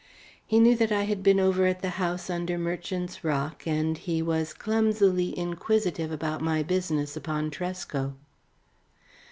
He knew that I had been over at the house under Merchant's Rock, and he was clumsily inquisitive about my business upon Tresco.